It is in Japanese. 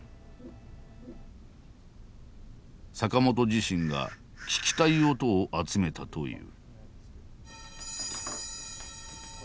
坂本自身が聴きたい音を集めたという。